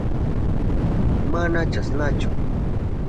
Mana chasnachu.